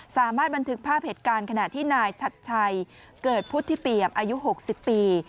สามารถบันทึกภาพเหตุการณ์ขณะที่นายชัดชัยเกิดพุทธิเปียบอายุ๖๐ปี